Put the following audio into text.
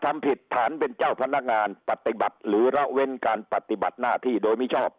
ทำผิดฐานเป็นเจ้าพนักงานปฏิบัติหรือระเว้นการปฏิบัติหน้าที่โดยมิชอบ